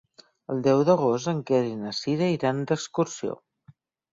El deu d'agost en Quer i na Cira iran d'excursió.